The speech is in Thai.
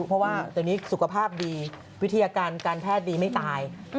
เพราะว่าตอนนี้สุขภาพดีวิทยาการการแพทย์ดีไม่ตาย